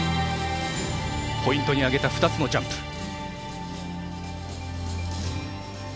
ポイントにあげた２つのジャンプ。